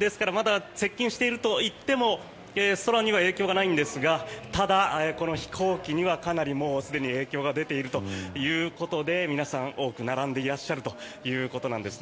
ですからまだ接近しているといっても空には影響がないんですがただ、この飛行機にはかなり、すでに影響が出ているということで皆さん、多く並んでいらっしゃるということです。